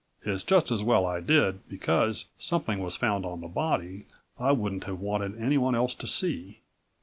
It's just as well I did, because something was found on the body I wouldn't have wanted anyone else to see."